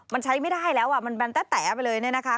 มันใช้ไม่ได้แล้วมันแบนแต๊ะไปเลยเนี่ยนะคะ